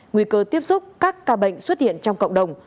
nguy cơ tiếp xúc các ca bệnh xuất hiện trong cộng đồng